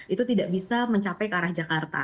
itu tidak bisa mencapai ke arah jakarta